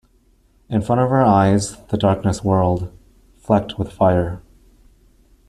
In front of her eyes the darkness whirled, flecked with fire.